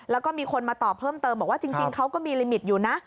แล้วก็มีคนมาตอบเพิ่มเติมบอกว่าจริงเขาก็มีลิมิตอยู่นะ